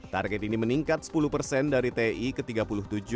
target ini meningkat dan menurut kami ini adalah satu dari kepentingan tersebut